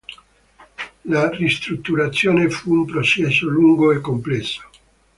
La ristrutturazione fu un processo lungo e complesso.